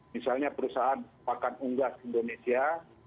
misalnya perusahaan pakan unggas indonesia